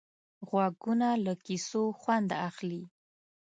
غوږونه له کیسو خوند اخلي